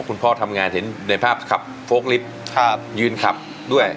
คุณพ่อทำงานเห็นในภาพขับโพลกลิฟต์ยืนขับด้วย